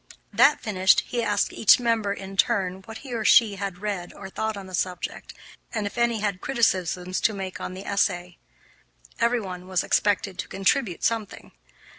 That finished, he asked each member, in turn, what he or she had read or thought on the subject, and if any had criticisms to make on the essay. Everyone was expected to contribute something.